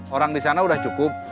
orang di sana sudah cukup